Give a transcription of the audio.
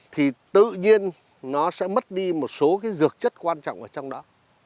thì tự nhiên nó sẽ mất đi một số cái dược chất quan trọng ở trong đó